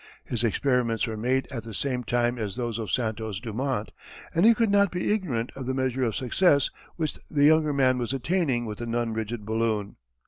His experiments were made at the same time as those of Santos Dumont, and he could not be ignorant of the measure of success which the younger man was attaining with the non rigid balloon.